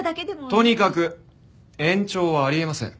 とにかく延長はあり得ません。